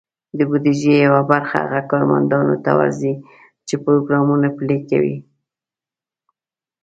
د بودیجې یوه برخه هغه کارمندانو ته ورځي، چې پروګرامونه پلي کوي.